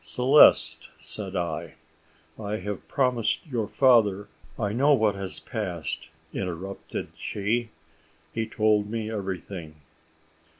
"Celeste," said I, "I have promised your father " "I know what has passed," interrupted she; "he told me everything."